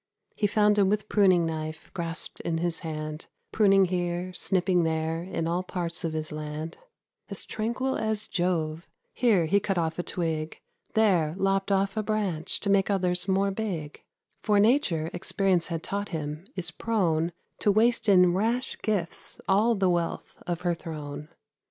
He found him with pruning knife grasped in his hand, Pruning here, snipping there, in all parts of his land, As tranquil as Jove; here he cut off a twig, There lopped off a branch to make others more big; For Nature, experience had taught him, is prone To waste in rash gifts all the wealth of her throne.